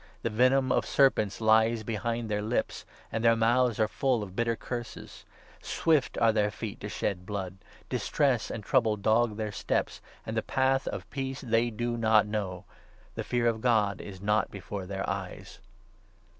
' The venom of serpents lies behind their lips,' ' And their mouths are full of bitter curses.' 14 ' Swift are their feet to shed blood. 15 Distress and trouble dog their steps, 16 And the path of peace they do not know.' 17 ' The fear of God is not before their eyes.'